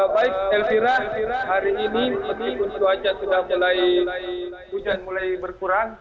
baik elvira hari ini meskipun cuaca sudah mulai hujan mulai berkurang